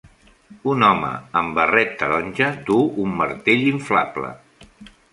Un home amb barret taronja duu un martell inflable.